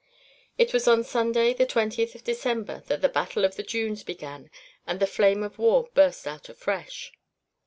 It was on Sunday, the twentieth of December, that the Battle of the Dunes began and the flames of war burst out afresh.